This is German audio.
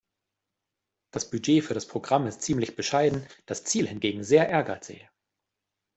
Das Budget für das Programm ist ziemlich bescheiden, das Ziel hingegen sehr ehrgeizig.